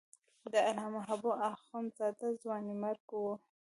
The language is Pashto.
د علامه حبو اخند زاده ځوانیمرګ و.